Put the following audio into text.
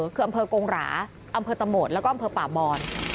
คืออำเภอกงหราอำเภอตะโหมดแล้วก็อำเภอป่าบอน